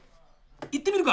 いってみるか！